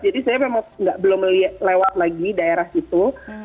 jadi saya memang belum lewat lagi daerah itu